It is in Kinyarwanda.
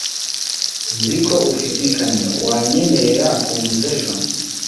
Nzi ko ufite ikamyo. Wanyemerera kuguza ejo?